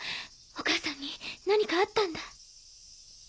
お母さんに何かあったんだ。